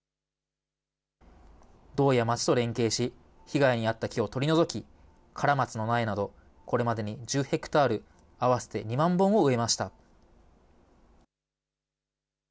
道や町と連携し、被害に遭った木を取り除き、カラマツの苗など、これまでに１０ヘクタール、合わせて２万本を植えました。